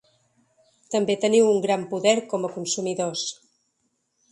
També teniu un gran poder com a consumidors.